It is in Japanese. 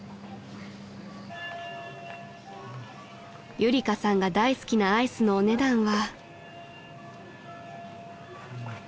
［ゆりかさんが大好きなアイスのお値段は］